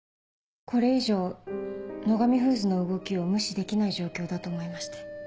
これ以上野上フーズの動きを無視できない状況だと思いまして。